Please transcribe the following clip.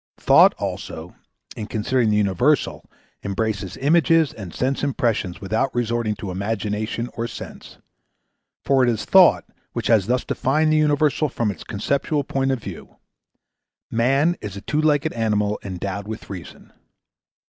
Thought also, in considering the universal, embraces images and sense impressions without resorting to Imagination or Sense. For it is Thought which has thus defined the universal from its conceptual point of view: "Man is a two legged animal endowed with reason."